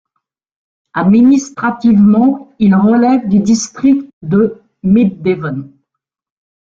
Administrativement, il relève du district de Mid Devon.